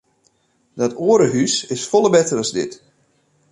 Dat oare hús is folle better as dit.